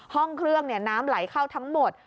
ห้องเครื่องน้ำไหลเข้าทั้งหมด